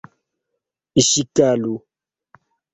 Ŝikalu!